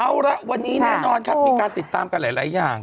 เอาละวันนี้แน่นอนครับมีการติดตามกันหลายอย่าง